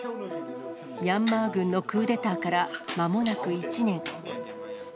ミャンマー軍のクーデターからまもなく１年。